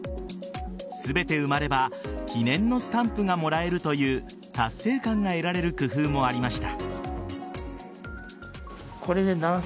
全て埋まれば記念のスタンプがもらえるという達成感が得られる工夫もありました。